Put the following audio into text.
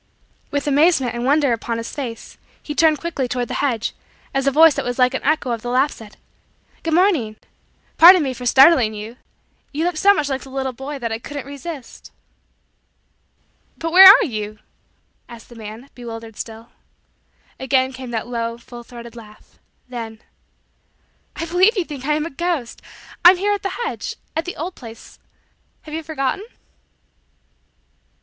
With amazement and wonder upon his face, he turned quickly toward the hedge, as a voice that was like an echo of the laugh said: "Good morning! Pardon me for startling you you looked so much like the little boy that I couldn't resist." [Illustration: When they told me that you were here I wanted to go away again] "But where are you?" asked the man, bewildered still. Again came that low, full throated laugh. Then: "I believe you think I am a ghost. I'm here at the hedge at the old place. Have you forgotten?"